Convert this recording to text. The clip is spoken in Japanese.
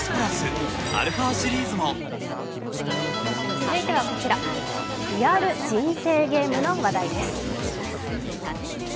続いてはこちら、リアル人生ゲームの話題です。